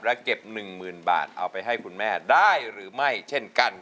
และเก็บ๑๐๐๐บาทเอาไปให้คุณแม่ได้หรือไม่เช่นกัน